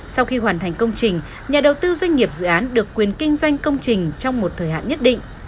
sau khi hoàn thành công trình nhà đầu tư doanh nghiệp dự án được quyền kinh doanh công trình trong một thời hạn nhất định